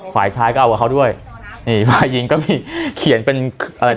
ฝ่ายชายก็เอากับเขาด้วยนี่ฝ่ายหญิงก็มีเขียนเป็นอะไร